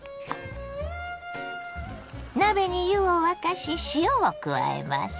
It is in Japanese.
鍋に湯を沸かし塩を加えます。